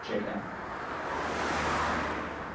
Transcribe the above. J. F.